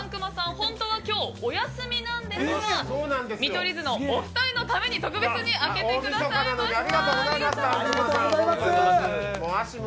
本当は今日お休みなんですが見取り図のお二人のために特別に開けてくださいました。